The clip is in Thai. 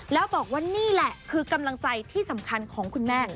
แล้วบอกว่านี่แหละคือกำลังใจที่สำคัญของคุณแม่